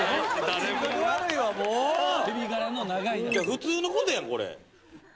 普通のことやんこれ。